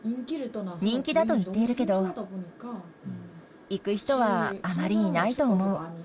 人気だと言っているけど、行く人はあまりいないと思う。